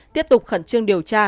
tiếp tục khẩn trương điều tra